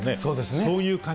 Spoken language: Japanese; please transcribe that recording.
そういう感じ。